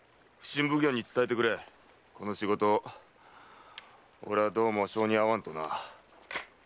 この仕事俺はどうも性に合わんとな。